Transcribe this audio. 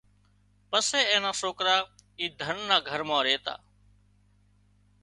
پسي اين نا سوڪرا اي ڌنَ نا گھر مان ريتا